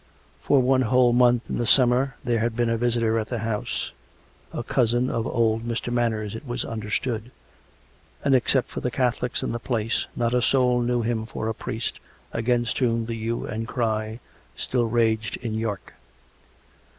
For one whole month in the summer there had boen a visitor at the house — a cousin of old Mr. Manners, it was understood; and, except for the 181 182 COME RACK! COME ROPE! Catholics in the place, not a soul knew film for a priest, against whom the hue and cry still raged in York.